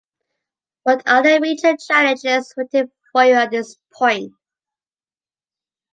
What are the major challenges waiting for you at this point?